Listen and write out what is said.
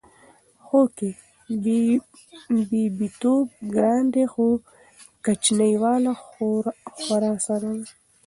هو کې! بيبيتوب ګران دی خو کچنۍ واله خورا اسانه ده